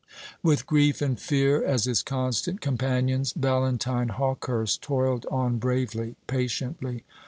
With grief and fear as his constant companions, Valentine Hawkehurst toiled on bravely, patiently.